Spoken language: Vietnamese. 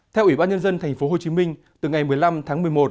theo ủy ban nhân dân tp hcm từ ngày một mươi năm tháng một mươi một